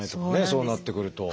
そうなってくると。